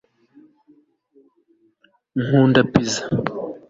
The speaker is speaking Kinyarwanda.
nkunda pizza